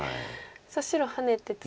さあ白ハネてツナいで。